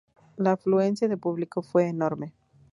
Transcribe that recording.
La afluencia de público fue enorme.